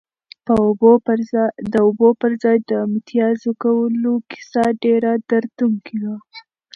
د اوبو پر ځای د متیازو کولو کیسه ډېره دردونکې وه.